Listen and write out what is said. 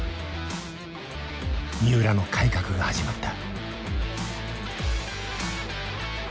三浦の改革が始まった。